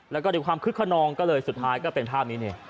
แล้วก็ด้วยความคึกขนองก็เลยสุดท้ายก็เป็นภาพนี้นี่